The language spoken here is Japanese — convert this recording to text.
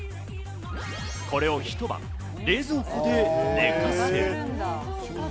これを一晩、冷蔵庫で寝かせる。